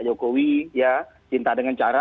jokowi ya cinta dengan cara